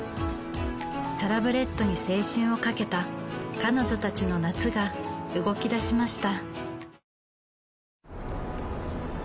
サラブレッドに青春をかけた彼女たちの夏が動き出しました。